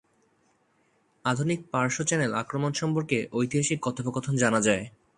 আধুনিক পার্শ্ব-চ্যানেল আক্রমণ সম্পর্কে ঐতিহাসিক কথোপকথন জানা যায়।